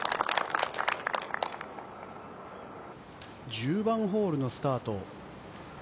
１０番ホールのスタート。